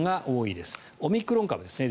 ですからオミクロン株ですね。